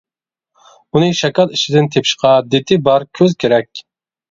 ئۇنى شاكال ئىچىدىن تېپىشقا دىتى بار كۆز كېرەك.